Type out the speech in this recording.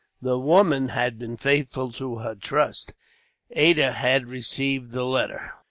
The woman had been faithful to her trust. Ada had received the letter.